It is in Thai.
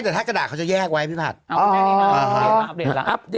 ไหมทักกระดาษเขาจะเกไว้พี่ภัทร